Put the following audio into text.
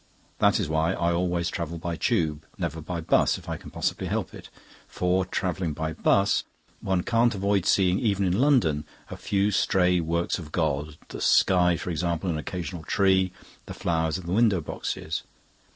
That is why I always travel by Tube, never by bus if I can possibly help it. For, travelling by bus, one can't avoid seeing, even in London, a few stray works of God the sky, for example, an occasional tree, the flowers in the window boxes.